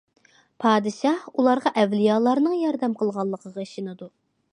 پادىشاھ ئۇلارغا ئەۋلىيالارنىڭ ياردەم قىلغانلىقىغا ئىشىنىدۇ.